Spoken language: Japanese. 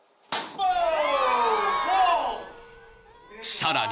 ［さらに］